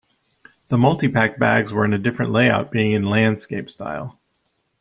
The Multipack bags were in a different layout, being in Landscape style.